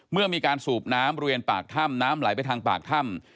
เมื่อมีการสูบน้ำบริเวณปากถ้ำน้ำไหลไปทางปากถ้ำ